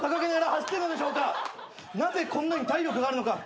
なぜこんなに体力があるのか？